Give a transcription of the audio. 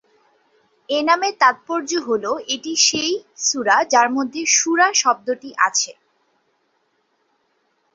এ নামের তাৎপর্য হলো, এটি সেই সূরা যার মধ্যে শূরা শব্দটি আছে।